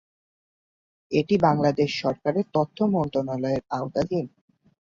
এটি বাংলাদেশ সরকারের তথ্য মন্ত্রণালয়ের আওতাধীন।